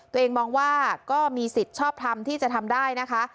ตัวเองมองว่าก็มีสิทธิ์ชอบทำที่จะทำได้นะคะ